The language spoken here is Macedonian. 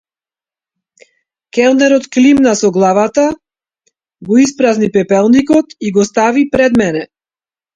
Келнерот климна со главата, го испразни пепелникот и го стави пред мене.